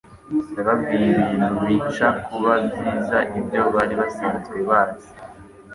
Yababwiye ibintu binsha kuba byiza ibyo basarizwe bazi.